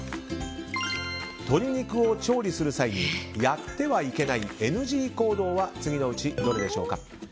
鶏肉を調理する際にやってはいけないＮＧ行動は次のうちどれでしょうか？